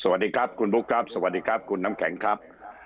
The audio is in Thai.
สวัสดีครับคุณบุ๊คครับสวัสดีครับคุณน้ำแข็งครับ